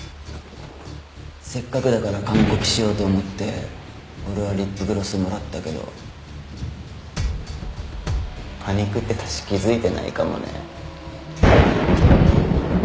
せっかくだから完コピしようと思って俺はリップグロスもらったけどパニクってたし気づいてないかもね。